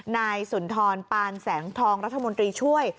นายสุนทรปานแสงทองรัฐมนตรีช่วย